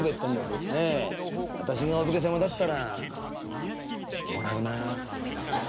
あたしがお武家様だったらもらうなあ」。